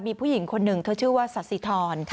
มีผู้หญิงคนหนึ่งเธอชื่อว่าสัสสิทร